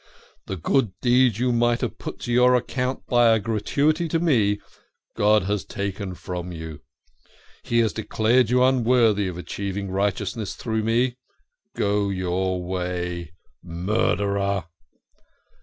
The good deed you might have put to your account by a gratuity to me, God has taken from you. He has declared you unworthy of achieving righteousness through me. Go your way, murderer